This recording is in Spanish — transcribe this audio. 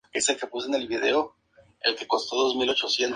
Estas lagunas se convirtieron en lagos o fueron invadidas por el mar.